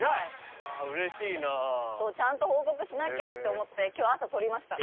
ちゃんと報告しなきゃと思って今日朝撮りました。